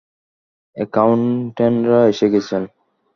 অ্যাকাউনট্যান্টরা এসে গেছেন।